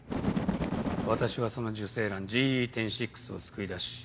私はその受精卵ＧＥ１０．６を救い出し